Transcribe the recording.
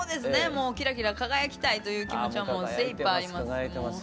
もうキラキラ輝きたいという気持ちはもう精いっぱいあります。